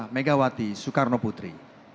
megawati soekarno putri